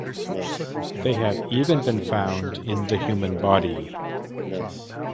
They have even been found in the human body.